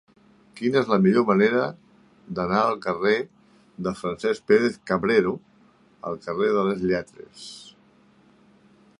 Quina és la millor manera d'anar del carrer de Francesc Pérez-Cabrero al carrer de les Lletres?